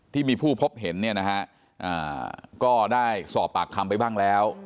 ที่มีผู้พบเห็นนะครับก็ได้สอบอากคำไปบ้างแล้ว